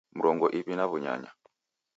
Mrongo iw'i na w'unyanya